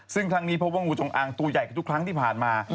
ซึ่งครั้งนี้พบว่างูจงอางตัวใหญ่กว่าทุกครั้งที่ผ่านมา